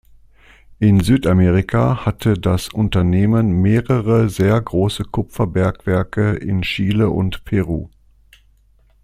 In Südamerika hatte das Unternehmen mehrere sehr große Kupferbergwerke in Chile und Peru.